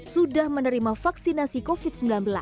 sudah menerima vaksinasi covid sembilan belas